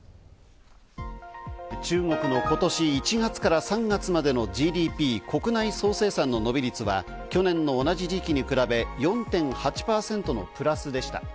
中国の今年１月から３月までのＧＤＰ＝国内総生産の伸び率は去年の同じ時期に比べ、４．８％のプラスでした。